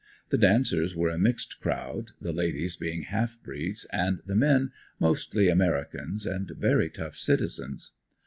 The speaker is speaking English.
The dancers were a mixed crowd, the ladies being half breeds and the men, mostly americans and very tough citizens.